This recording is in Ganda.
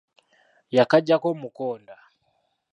Yakaggyako omukonda.